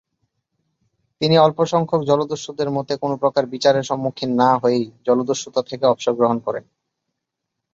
তিনি অল্প সংখ্যক জলদস্যুদের মত কোন প্রকার বিচারের সম্মুখীন না হয়েই জলদস্যুতা থেকে অবসর গ্রহণ করেন।